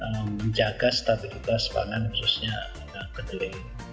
menjaga stabilitas pangan khususnya kedelai